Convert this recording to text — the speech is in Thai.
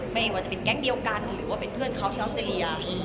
ไม่แม้เป็นแก๊งเดียวกันหรือเพื่อนเขาที่เอาซีเรีย